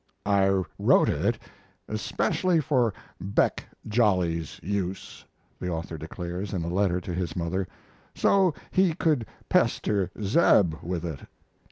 "I wrote it especially for Beck Jolly's use," the author declares, in a letter to his mother, "so he could pester Zeb with it."